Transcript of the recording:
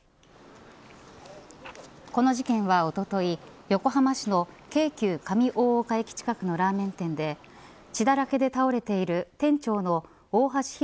この事件は、おととい横浜市の京急上大岡駅近くのラーメン店で血だらけで倒れている店長の大橋弘